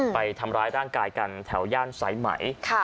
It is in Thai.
ไปทำร้ายร่างกายกันแถวย่านสายไหม